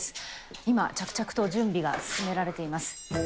今、着々と準備が進められています。